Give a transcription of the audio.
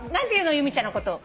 由美ちゃんのこと。